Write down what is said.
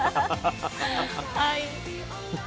はい。